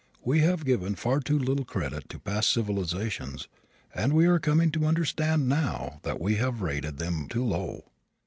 We have given far too little credit to past civilizations and we are coming to understand now that we have rated them too low.